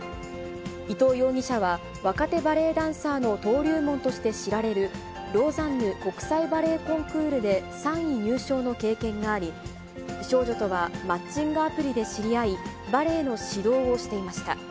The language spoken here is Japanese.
伊藤容疑者は、若手バレエダンサーの登竜門として知られる、ローザンヌ国際バレエコンクールで３位入賞の経験があり、少女とは、マッチングアプリで知り合い、バレエの指導をしていました。